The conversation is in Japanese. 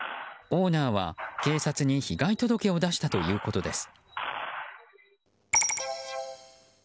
オーナーは警察に被害届を出したということです。